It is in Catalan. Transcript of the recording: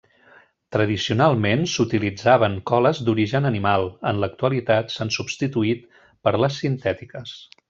Tradicionalment s'utilitzaven coles d'origen animal, en l'actualitat s'han substituït per les sintètiques.